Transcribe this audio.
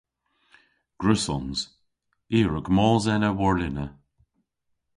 Gwrussons. I a wrug mos ena warlena.